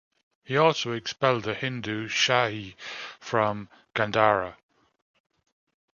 He also expelled the Hindu Shahi from Gandhara.